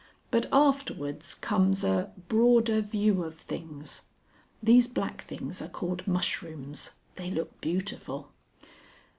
But afterwards comes a Broader View of Things. (These black things are called mushrooms; they look beautiful.)